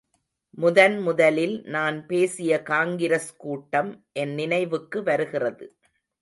முதன் முதலில் நான் பேசிய காங்கிரஸ், கூட்டம் என் நினைவுக்கு வருகிறது.